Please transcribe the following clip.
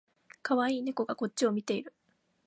かわいい猫がこっちを見ている